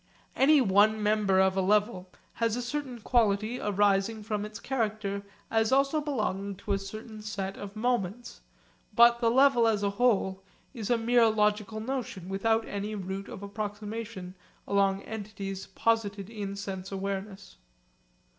Any one member of a level has a certain quality arising from its character as also belonging to a certain set of moments, but the level as a whole is a mere logical notion without any route of approximation along entities posited in sense awareness.